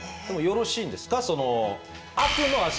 でもよろしいんですか？